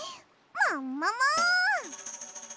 ももも！